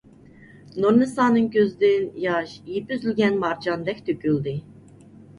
نۇرنىسانىڭ كۆزىدىن ياش يىپى ئۈزۈلگەن مارجاندەك تۆكۈلدى.